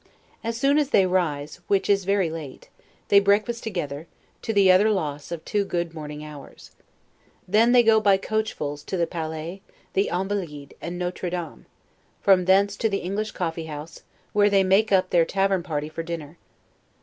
As soon as they rise, which is very late, they breakfast together, to the utter loss of two good morning hours. Then they go by coachfuls to the Palais, the Invalides, and Notre Dame; from thence to the English coffee house, where they make up their tavern party for dinner.